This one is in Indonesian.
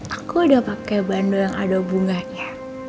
aku udah pake bando yang ada bunganya